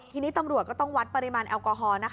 ทีนี้ตำรวจก็ต้องวัดปริมาณแอลกอฮอล์นะคะ